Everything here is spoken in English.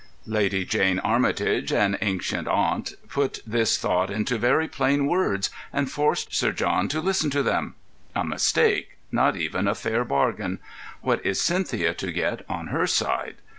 Lady Jane Armitage, an ancient aunt, put this thought into very plain words and forced Sir John to listen to them. A mistake—not even a fair bargain. What is Cynthia to get, on her side?